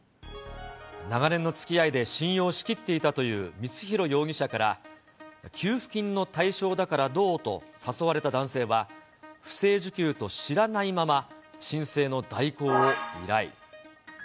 長年のつきあいで信用しきっていたという光弘容疑者から給付金の対象だからどう？と誘われた男性は、不正受給と知らないまま、申請の代行を依頼。